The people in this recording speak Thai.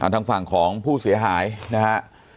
ทางฝั่งของผู้เสียหายนะฮะ